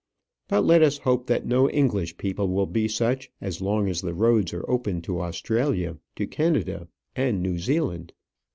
But let us hope that no English people will be such as long as the roads are open to Australia, to Canada, and New Zealand.